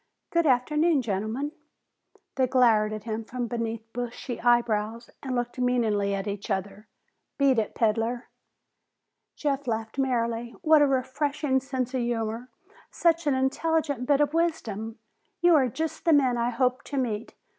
"Good afternoon, gentlemen." They glowered at him from beneath bushy eyebrows, and looked meaningly at each other. "Beat it, peddler." Jeff laughed merrily. "What a refreshing sense of humor! Such an intelligent bit of wisdom! You are just the men I hoped to meet!